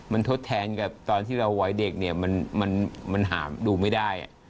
มันทดแทนกับตอนที่เราวัยเด็กเนี่ยมันหาดูไม่ได้